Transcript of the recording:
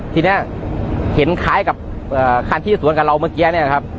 ทีนี้เห็นคล้ายกับคันที่สวนกับเราเมื่อกี้เนี่ยนะครับ